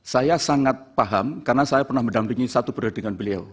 saya sangat paham karena saya pernah mendampingi satu periode dengan beliau